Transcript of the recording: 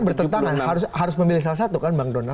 bertentangan harus memilih salah satu kan bang donald